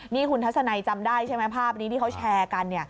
นี่คุณทัศนัยจำได้ใช่ไหมภาพนี้ที่เขาแชร์กัน